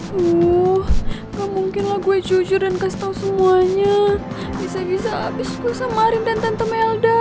wuh gak mungkin lah gue jujur dan kasih tau semuanya bisa bisa abis gue sama arin dan tante melda